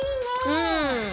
うん。